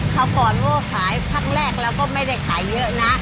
เขาก่อนว่าขายพักแรกแล้วก็ไม่ได้ขายเยอะนะ